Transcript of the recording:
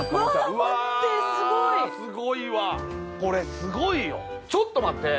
うわすごいわこれすごいよちょっと待って。